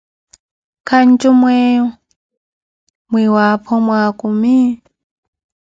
Kanju meeyo, mwiwaapho mwaakumi?